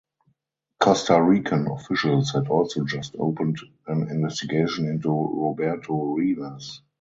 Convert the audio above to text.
Costa Rican officials had also just opened an investigation into Roberto Rivas.